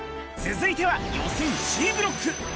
続いては予選Ｃブロック。